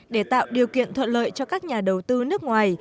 để tạo điều kiện thuận lợi cho các nhà đầu tư nước ngoài